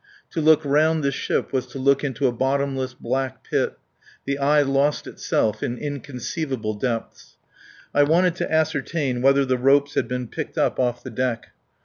To look round the ship was to look into a bottomless, black pit. The eye lost itself in inconceivable depths. I wanted to ascertain whether the ropes had been picked up off the deck.